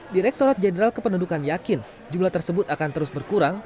direkturat jenderal kependudukan yakin jumlah tersebut akan terus berkurang